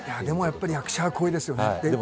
でもやっぱり役者は声ですよね。